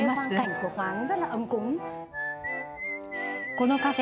このカフェ